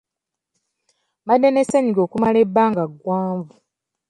Mbadde ne ssenyiga okumala ebbanga ggwanvu.